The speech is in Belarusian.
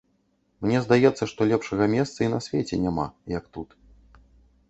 Мне здаецца, што лепшага месца і на свеце няма, як тут.